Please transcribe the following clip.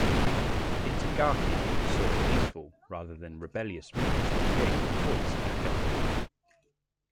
Itagaki sought peaceful rather than rebellious means to gain a voice in government.